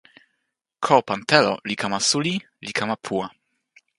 ko pan telo li kama suli li kama puwa.